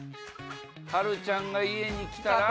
波瑠ちゃんが家に来たら？